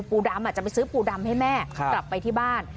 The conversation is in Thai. ปูดำจะไปซื้อปูดำให้แม่กลับไปที่บ้าน